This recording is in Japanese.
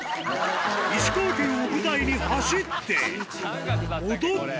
石川県を舞台に、走って、踊って。